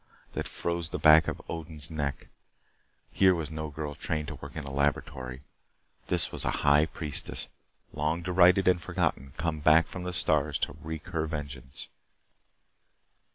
that froze the back of Odin's neck. Here was no girl trained to work in a laboratory. This was a high priestess, long derided and forgotten, come back from the stars to wreak her vengeance.